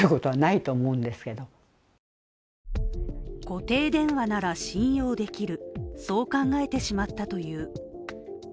固定電話なら信用できる、そう考えてしまったという。